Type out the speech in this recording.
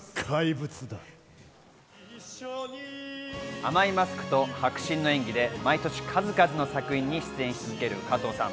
甘いマスクと迫真の演技で毎年数々の作品に出演している加藤さん。